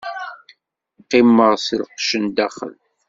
Qqimeɣ s lqecc n daxel.